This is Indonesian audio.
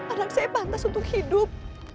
anak saya pantas untuk hidup